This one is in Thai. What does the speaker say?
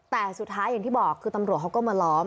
แต่สุดท้ายอย่างที่บอกคือตำรวจเขาก็มาล้อม